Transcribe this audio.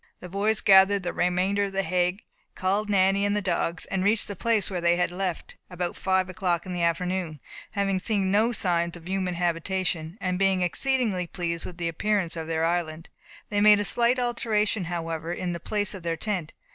The boys gathered the remainder of the hay, called Nanny and the dogs, and reached the place which they had left, about five o'clock in the afternoon having seen no signs of human habitation, and being exceedingly pleased with the appearance of their island; they made a slight alteration, however, in the place of their tent.